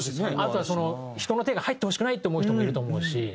あとは人の手が入ってほしくないって思う人もいると思うし。